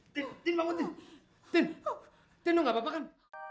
tin tin lu gak apa apa kan